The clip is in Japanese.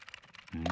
うん。